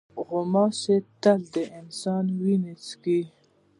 غوماشې تل د انسان وینه څښي.